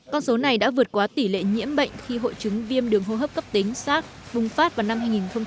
con số này đã vượt qua tỷ lệ nhiễm bệnh khi hội chứng viêm đường hô hấp cấp tính sars vùng phát vào năm hai nghìn một mươi